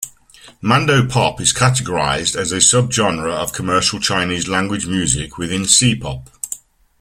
Mandopop is categorized as a subgenre of commercial Chinese-language music within C-pop.